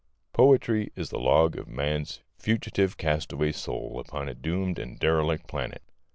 Poetry is the log of man's fugitive castaway soul upon a doomed and derelict planet.